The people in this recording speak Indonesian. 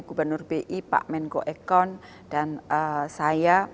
gubernur bi pak menko ekon dan saya